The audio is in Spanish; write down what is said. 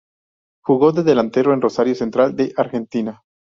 Jugó de delantero en Rosario Central de Argentina.